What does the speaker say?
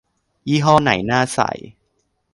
ยี่ห้อไหนน่าใส่